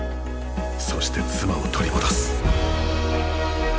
そして妻を取り戻す。